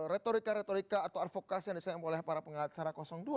retorika retorika atau advokasi yang disampaikan oleh para pengacara dua